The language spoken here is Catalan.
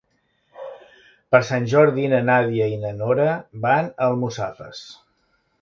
Per Sant Jordi na Nàdia i na Nora van a Almussafes.